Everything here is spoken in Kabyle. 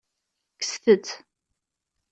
Kkset-tt.